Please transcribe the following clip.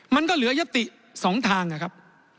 มันก็เหลือยัตติสองทางครับ